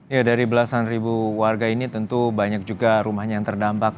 ya dari belasan ribu warga ini tentu banyak juga rumahnya yang terdampak